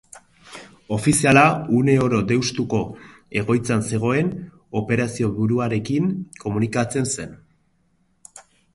Ofiziala une oro Deustuko egoitzan zegoen operazioburuarekin komunikatzen zen.